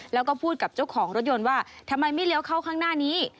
แล้วก็พูดกับเจ้าของรถยนต์ว่าทำไมไม่เลี้ยวเข้าข้างหน้านี้